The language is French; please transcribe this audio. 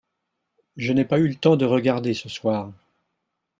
je n'ai pas eu le temps de regarder ce soir.